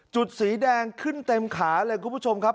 สีแดงขึ้นเต็มขาเลยคุณผู้ชมครับ